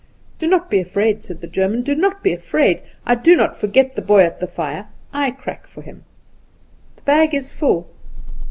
"Do not be afraid," said the German, "do not be afraid. I do not forget the boy at the fire; I crack for him. The bag is full.